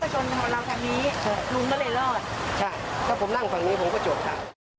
ชนของเราทางนี้ลุงก็เลยรอดใช่ถ้าผมนั่งฝั่งนี้ผมก็จบครับ